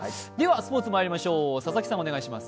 スポーツまいりましょう。